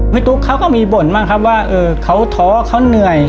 ตุ๊กเขาก็มีบ่นบ้างครับว่าเขาท้อเขาเหนื่อย